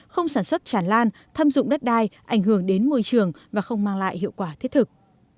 không sản xuất tràn lan thâm dụng đất đai ảnh hưởng đến môi trường và không mang lại hiệu quả thiết thực